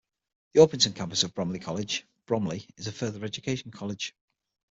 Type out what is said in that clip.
The Orpington campus of Bromley College, Bromley is a further education college.